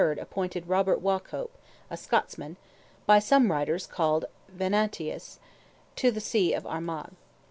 appointed Robert Waucop, a Scotsman (by some writers called Venantius), to the See of Armagh.